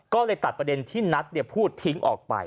ก็เลยตัดประเด็นที่นัทพูดทิ้งออกไป